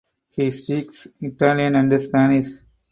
He speaks Italian and Spanish.